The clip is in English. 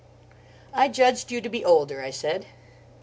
"I judged you to be older," I said.